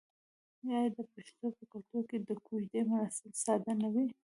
آیا د پښتنو په کلتور کې د کوژدې مراسم ساده نه وي؟